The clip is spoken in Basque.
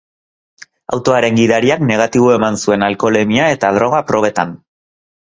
Autoaren gidariak negatibo eman zuen alkoholemia eta droga-probetan.